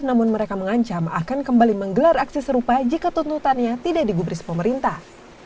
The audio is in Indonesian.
namun mereka mengancam akan kembali menggelar aksi serupa jika tuntutannya tidak digubris pemerintah